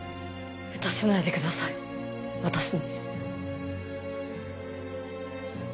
撃たせないでください私に。